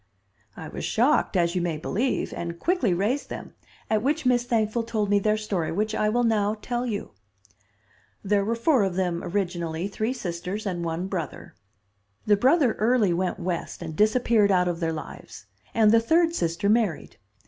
"I was shocked, as you may believe, and quickly raised them, at which Miss Thankful told me their story, which I will now tell you. "There were four of them originally, three sisters and one brother. The brother early went West and disappeared out of their lives, and the third sister married.